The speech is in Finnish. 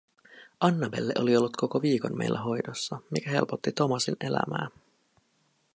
Annabelle oli ollut koko viikon meillä hoidossa, mikä helpotti Thomasin elämää.